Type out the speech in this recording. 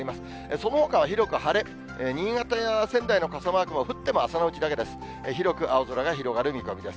そのほかは広く晴れ、新潟や仙台の傘マークも降っても朝のうちだけです。